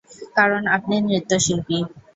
কারণ আপনি নৃত্যশিল্পী।